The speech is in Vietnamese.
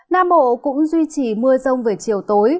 nam bộ cũng duy trì mưa rông về chiều tối